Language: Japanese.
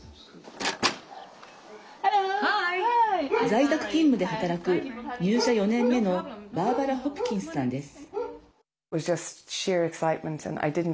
在宅勤務で働く入社４年目のバーバラ・ホプキンスさんです。